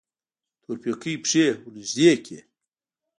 تورپيکۍ پښې ورنږدې کړې.